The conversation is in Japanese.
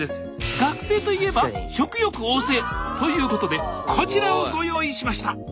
学生といえば食欲旺盛！ということでこちらをご用意しました！